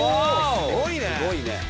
すごいね。